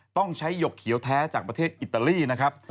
ต้องใช้หยกเขียวแท้จากประเทศอิตาลีนะครับ